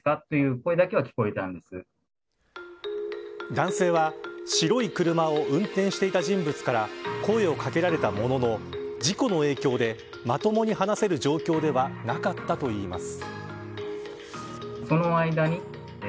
男性は白い車を運転していた人物から声を掛けられたものの事故の影響でまともに話せる状況ではなかったといいます。